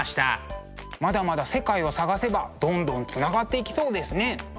まだまだ世界を探せばどんどんつながっていきそうですね。